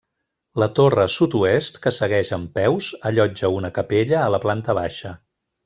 La torre sud-oest que segueix en peus, allotja una capella a la planta baixa.